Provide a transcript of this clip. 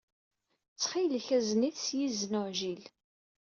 Ttxil-k, azen-it s yizen uɛjil.